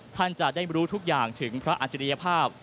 ท่านจะได้รู้ทุกอย่างถึงพระอัจฉริยภาพ